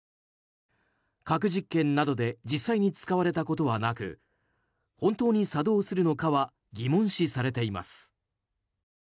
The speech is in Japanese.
核実験などで実際に使われたことはなく本当に作動するのかは疑問視されています。